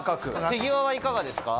手際はいかがですか？